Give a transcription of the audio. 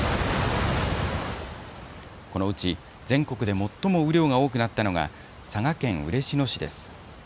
このうち全国で最も雨量が多くなったのが佐賀県嬉野市です。